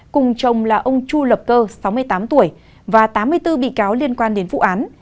cùng chồng là ông chu lập cơ sáu mươi tám tuổi và tám mươi bốn bị cáo liên quan đến vụ án